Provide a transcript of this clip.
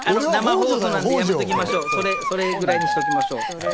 それぐらいにしておきましょう。